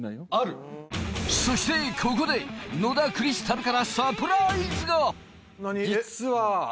そしてここで野田クリスタルからサプライズが！